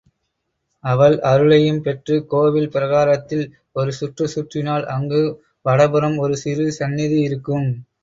அவள் அருளையும் பெற்று, கோவில் பிராகாரத்தில் ஒரு சுற்று சுற்றினால் அங்கு வடபுறம் ஒரு சிறு சந்நிதி இருக்கும்.